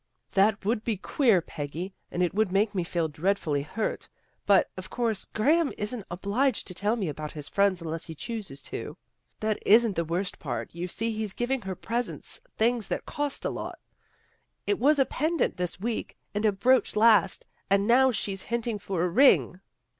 " That would be queer, Peggy, and it would make me feel dreadfully hurt, but, of course, Graham isn't obliged to tell me about his friends unless he chooses to. That isn't the worst part. You see he's giving her presents, things that cost a lot. It was a pendant this week, and a brooch last, and now she's hinting for a ring."